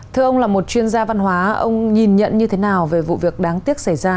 thưa ông là một chuyên gia văn hóa ông nhìn nhận như thế nào về vụ việc đáng tiếc xảy ra